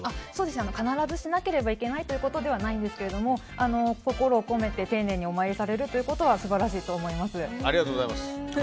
必ずしなければいけないということではないんですが心を込めて、丁寧にお参りされるということはありがとうございます。